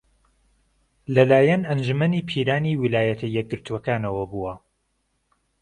لەلایەن ئەنجوومەنی پیرانی ویلایەتە یەکگرتووەکانەوە بووە